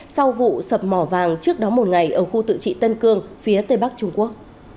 sau vụ sập mỏ vàng trước đó một ngày ở khu tự trị tân cương phía tây bắc trung quốc